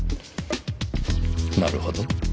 なるほど。